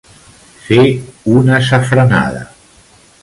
Fer una safranada.